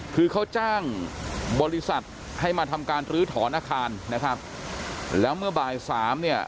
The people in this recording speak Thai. คือเขาจ้างบริษัทให้มาทำการลื้อถอนอาคารนะครับแล้วเมื่อบ่ายสามเนี่ย